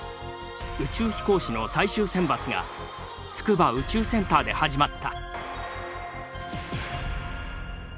宇宙飛行士の最終選抜が筑波宇宙センターで始まった。